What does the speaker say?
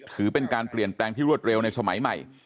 ถือเป็นการเปลี่ยนแปลงที่รวดเร็วในสมัยใหม่